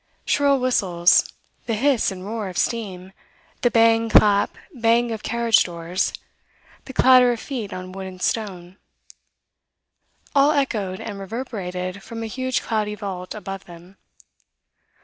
Shrill whistles, the hiss and roar of steam, the bang, clap, bang of carriage doors, the clatter of feet on wood and stone all echoed and reverberated from a huge cloudy vault above them.